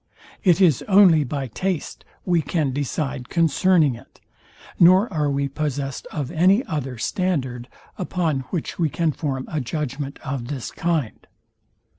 It is only by taste we can decide concerning it, nor are we possest of any other standard, upon which we can form a judgment of this kind.